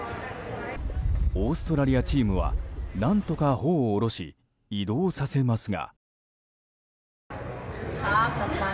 オーストラリアチームは何とか帆を下ろし移動させますが。